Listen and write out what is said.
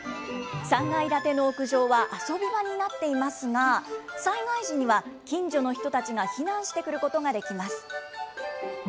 ３階建ての屋上は遊び場になっていますが、災害時には近所の人たちが避難してくることができます。